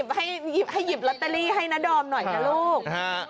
ให้หยิบลอตเตอรี่ให้นะดอมหน่อยนะลูก